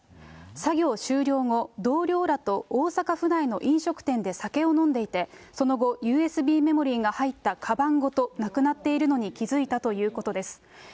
作業終了後、同僚らと大阪府内の飲食店で酒を飲んでいて、その後、ＵＳＢメモリーが入ったかばんごとなくなっているのに気付いたということです。